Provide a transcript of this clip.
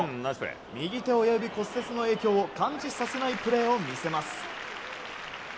右手親指骨折の影響を感じさせないプレーを見せます。